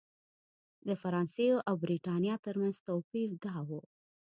د فرانسې او برېټانیا ترمنځ توپیر دا و.